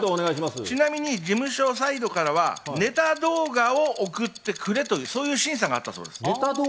ちなみに事務所サイドからはネタ動画を送ってくれという審査があったそうです。